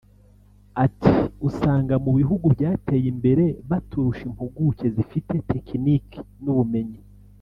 Ati″Usanga mu bihugu byateye imbere baturusha impuguke zifite tekiniki n’ubumenyi